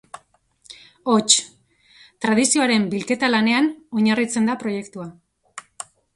Hots, tradizioaren bilketa-lanean oinarritzen da proiektua.